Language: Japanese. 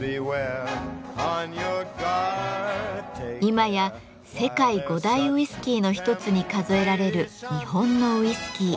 今や世界５大ウイスキーの一つに数えられる日本のウイスキー。